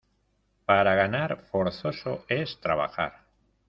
Para ganar, forzoso es trabajar.